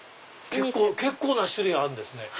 結構な種類あるんですね。